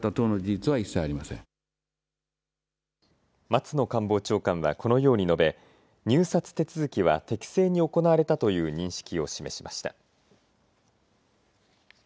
松野官房長官はこのように述べ入札手続きは適正に行われたという認識を示しました。